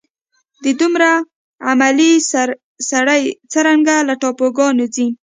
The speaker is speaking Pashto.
د دومره عملې سره سړی څرنګه له ټاپوګانو ځي.